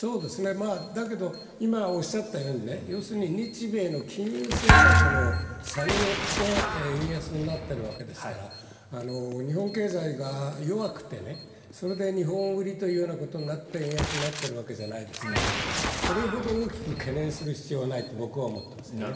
だけど今おっしゃったように要するに日米の金融政策の差によって円安になっているわけですから日本経済が弱くて、それで日本売りということになって円安になっているわけじゃないですからそれほど大きく懸念する必要はないと僕は思っていますね。